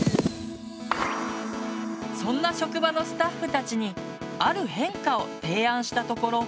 そんな職場のスタッフたちに「ある変化」を提案したところ